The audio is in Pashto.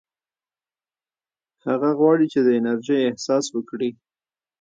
هغه غواړي چې د انرژۍ احساس وکړي.